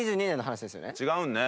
違うのね？